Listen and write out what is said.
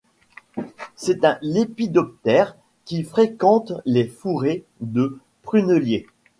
C'est un lépidoptère qui fréquente les fourrés de prunelliers.